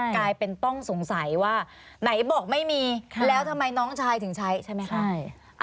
กลายเป็นต้องสงสัยว่าไหนบอกไม่มีแล้วทำไมน้องชายถึงใช้ใช่ไหมคะ